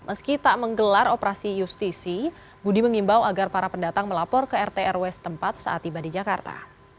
meski tak menggelar operasi justisi budi mengimbau agar para pendatang melapor ke rt rw setempat saat tiba di jakarta